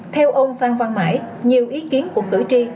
theo ông phan văn mãi nhiều ý kiến của cử tri